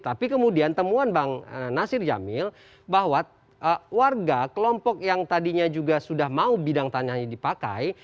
tapi kemudian temuan bang nasir jamil bahwa warga kelompok yang tadinya juga sudah mau bidang tanahnya dipakai